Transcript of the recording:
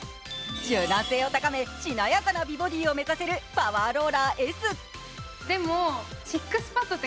柔軟性を高め、しなやかな美ボディーを目指せるパワーローラーＳ。